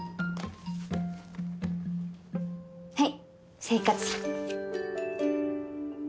はい生活費。